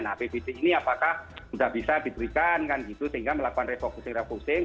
nah apbd ini apakah sudah bisa diberikan kan gitu sehingga melakukan refocusing refocusing